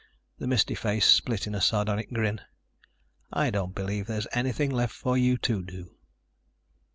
The misty face split in a sardonic grin. "I don't believe there's anything left for you to do."